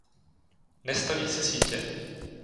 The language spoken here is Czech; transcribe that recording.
Nestaví si sítě.